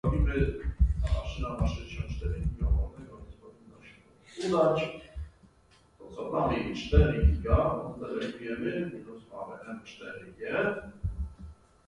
After a few months, it followed an Italian Tour with Heimdall.